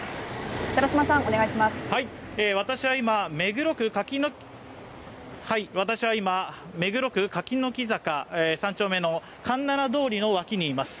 私たちは今、目黒区柿の木坂３丁目の環７通りの脇にいます。